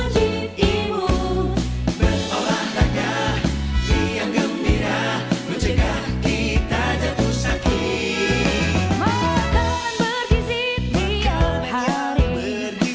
selamat siang terima kasih pak troy